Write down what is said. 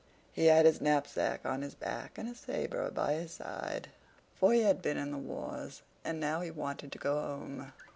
He had his knapsack on his back and a saber by his side, for he had been in the wars, and now he wanted to go home.